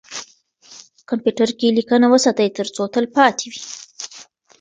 کمپیوتر کې لیکنه وساتئ ترڅو تلپاتې وي.